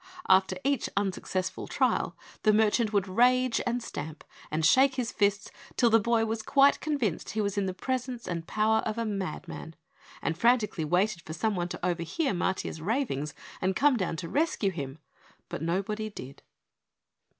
After each unsuccessful trial the merchant would rage and stamp and shake his fists, till the boy was quite convinced he was in the presence and power of a mad man, and frantically waited for someone to overhear Matiah's ravings and come down to rescue him. But nobody did!